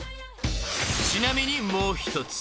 ［ちなみにもう１つ］